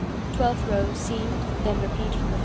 Twelfth row: Seamed, then repeat from the 1st row.